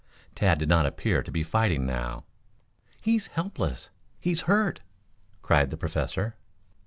Tad did not appear to be fighting now. "He's helpless! He's hurt!" cried the Professor.